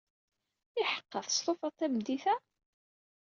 Iḥeqqa, testufaḍ tameddit-a?